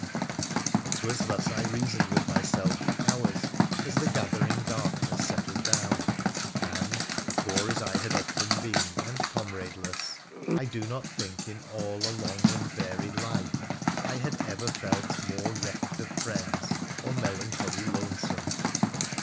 It was thus I reasoned with myself for hours as the gather ing darkness settled down ; and, poor as I had often been, and comradeless, I do not think, in all a long and varied life, I had ever felt more reft of friends or melancholy lonesome.